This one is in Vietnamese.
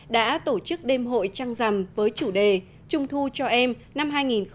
đã tổ chức đêm hội trăng rằm với chủ đề trung thu cho em năm hai nghìn một mươi chín